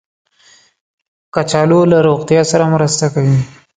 کچالو له روغتیا سره مرسته کوي